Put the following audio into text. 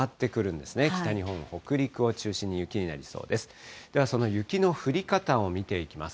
ではその雪の降り方を見ていきます。